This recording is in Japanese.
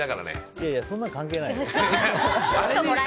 いやいやそんなの関係ないよ。